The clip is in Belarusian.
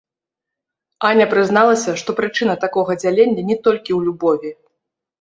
Аня прызналася, што прычына такога дзялення не толькі ў любові.